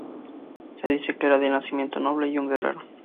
Se dice que era de nacimiento noble y un guerrero.